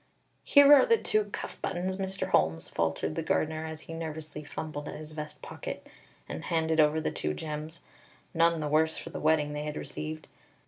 "Here are the two cuff buttons, Mr. Holmes," faltered the gardener, as he nervously fumbled at his vest pocket and handed over the two gems, none the worse for the wetting they had received.